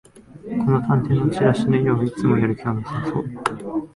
この探偵のチラシの犬はいつもやる気なさそう